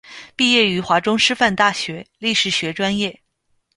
毕业于华中师范大学历史学专业。